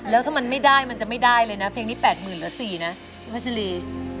แล้วถ้ามันไม่ได้มันจะไม่ได้เลยนะเพลงนี้๘๐๐๐เหลือ๔นะพัชรี